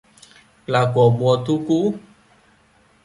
Là của mùa thu cũ